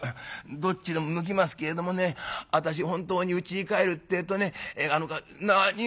「どっちでも向きますけれどもね私本当にうちに帰るってえとね何をする。